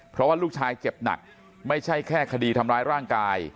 เพราะว่าลูกชายเจ็บหนักไม่ใช่แค่คดีทำร้ายร่างกาย